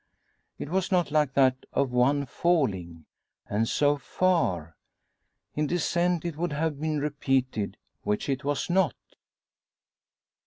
It was not like that of one falling, and so far. In descent it would have been repeated, which it was not!